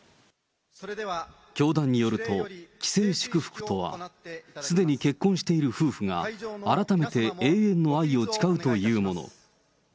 教団によると、既成祝福とは、すでに結婚している夫婦が改めて永遠の愛を誓うというもの。